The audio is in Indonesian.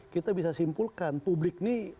kita bisa simpulkan publik ini